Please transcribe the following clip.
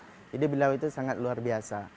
jadi beliau itu sangat luar biasa